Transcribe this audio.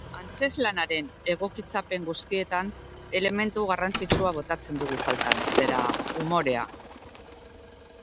Antzezlanaren egokitzapen guztietan elementu garrantzitsua botatzen dugu faltan, zera, umorea.